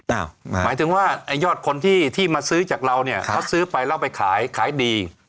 หมายถึงว่าไอ้ยอดคนที่มาซื้อจากเราเนี่ยเขาซื้อไปแล้วไปขายขายดี